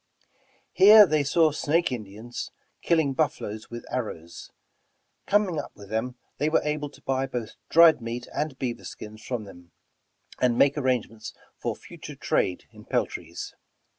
Here they saw Snake Indians killing buffaloes with arrows. Coming up with them, they were able to buy both dried meat and beaver skins from them, and make arrangements for future trade in peltries.